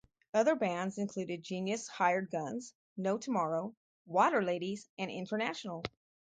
Other bands included Genius Hired Guns, No Tomorrow, Waterladies, and International.